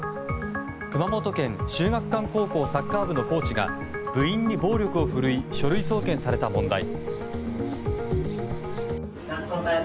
熊本県秀岳館高校サッカー部のコーチが部員に暴力を振るい書類送検された問題。